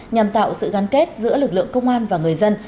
nhằm tạo sự gắn kết giữa lực lượng công an và người dân